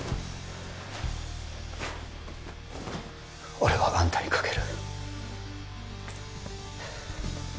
俺はあんたにかける